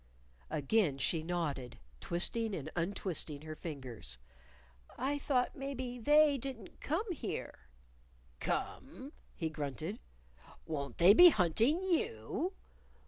Again she nodded, twisting and untwisting her fingers. "I thought maybe they didn't come here." "Come?" he grunted. "Won't they be hunting _you?